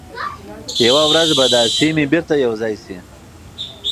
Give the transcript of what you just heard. یوه ورځ به دا سیمي بیرته یو ځای شي.